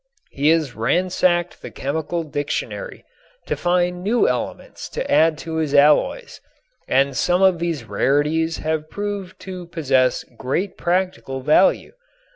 He has ransacked the chemical dictionary to find new elements to add to his alloys, and some of these rarities have proved to possess great practical value.